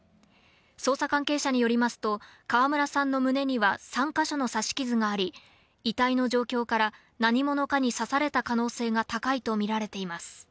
捜査関係者によりますと、川村さんの胸には３か所の刺し傷があり、遺体の状況から何者かに刺された可能性が高いとみられています。